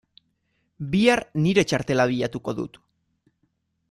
Bihar nire txartela bilatuko dut.